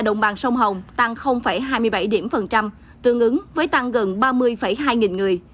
đồng bằng sông hồng tăng hai mươi bảy tương ứng với tăng gần ba mươi hai nghìn người